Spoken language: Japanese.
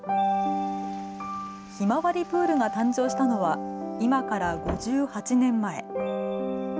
ひまわりプールが誕生したのは今から５８年前。